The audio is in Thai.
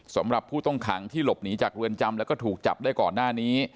สำหรับผู้ต้องขังที่หลบหนีจากเรือนจำแล้วก็ถูกจับได้ก่อนหน้านี้